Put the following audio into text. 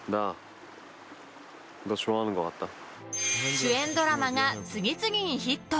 主演ドラマが次々にヒット。